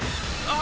あ！